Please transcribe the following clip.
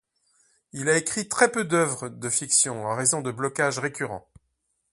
Il a écrit très peu d'œuvres de fiction en raison de blocages récurrents.